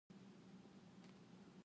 Dia menjual makanan.